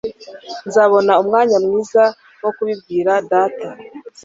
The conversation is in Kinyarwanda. Nzabona umwanya mwiza wo kubibwira Data.